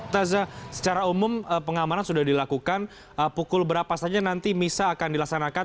taza secara umum pengamanan sudah dilakukan pukul berapa saja nanti misa akan dilaksanakan